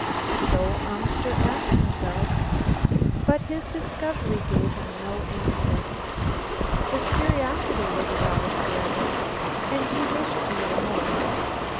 So Amster asked himself, but his discovery gave him no answer. His curiosity was aroused, however, and he wished to know more.